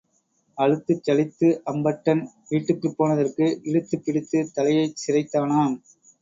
அலுத்துச் சலித்து அம்பட்டன் வீட்டுக்குப் போனதற்கு இழுத்துப் பிடித்துத் தலையைச் சிரைத்தானாம்.